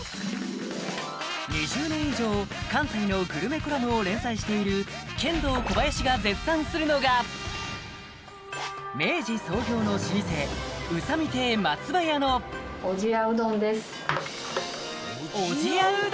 ２０年以上関西のグルメコラムを連載しているケンドーコバヤシが絶賛するのが明治創業の老舗うさみ亭マツバヤのおじやうどんです